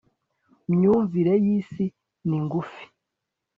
myumvire y'isi ni ngufi